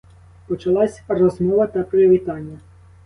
Почалась розмова та привітання.